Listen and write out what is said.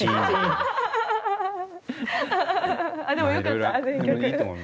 でもよかった。